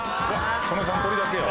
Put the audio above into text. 曽根さん鶏だけや。